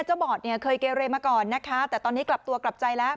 บอดเนี่ยเคยเกเรมาก่อนนะคะแต่ตอนนี้กลับตัวกลับใจแล้ว